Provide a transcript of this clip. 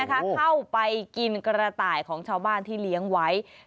เข้าไปกินกระต่ายของชาวบ้านที่เลี้ยงไว้